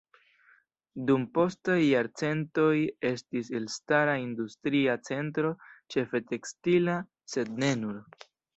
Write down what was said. Dum postaj jarcentoj estis elstara industria centro ĉefe tekstila, sed ne nur.